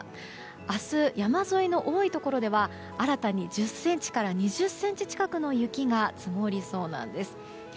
明日、山沿いの多いところでは新たに１０ｃｍから２０ｃｍ近くの雪が積もりそうなんです。